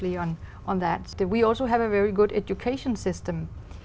tôi đã thử thịt thịt bò trong việt nam